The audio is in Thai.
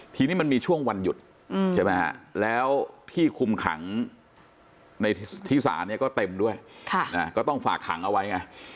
ทีนี้มันมีช่วงวันหยุดใช่ไหมฮะแล้วที่คุมขังในที่ศาลเนี่ยก็เต็มด้วยก็ต้องฝากขังเอาไว้ไง